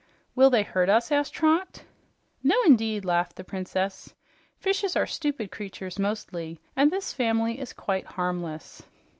"Will they hurt us?" asked Trot. "No indeed," laughed the Princess. "Fishes are stupid creatures mostly, and this family is quite harmless."